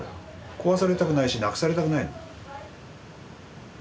壊されたくないしなくされたくないの。